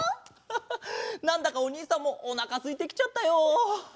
ハハッなんだかおにいさんもおなかすいてきちゃったよ。